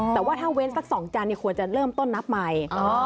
แต่ว่าถ้าเว้นสัก๒จันทร์ควรจะเริ่มต้นนับใหม่